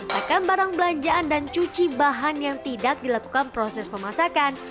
tekan barang belanjaan dan cuci bahan yang tidak dilakukan proses pemasakan